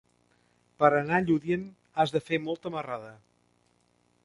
Per anar a Lludient has de fer molta marrada.